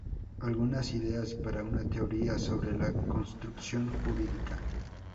Algunas ideas para una teoría sobre la "construcción jurídica".